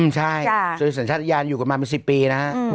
ใช่ศาสตรวิสัยชาติยานอยู่กับมันประมาณ๑๐ปีนะฮะ